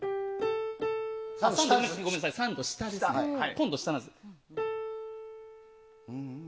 今度は下なんです。